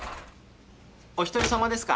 お一人様ですか？